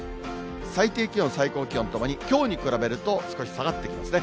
最低気温、最高気温ともにきょうに比べると少し下がってきますね。